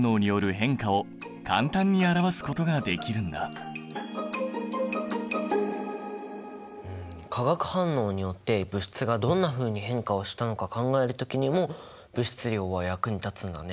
このように化学反応によって物質がどんなふうに変化をしたのか考える時にも物質量は役に立つんだね。